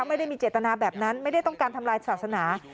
ไม่ได้มีเจตนาแบบนั้นไม่ได้ต้องการทำลายศาสนา